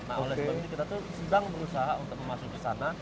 nah oleh sebab itu kita sedang berusaha untuk masuk ke sana